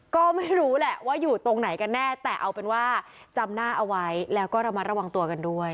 ก็ไม่รู้แหละว่าอยู่ตรงไหนกันแน่แต่เอาเป็นว่าจำหน้าเอาไว้แล้วก็ระมัดระวังตัวกันด้วย